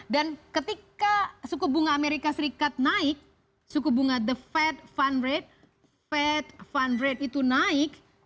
dan ketika suku bunga amerika serikat naik suku bunga the fed fund rate fed fund rate itu naik